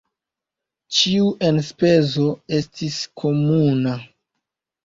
Ĉiu enspezo estis komuna.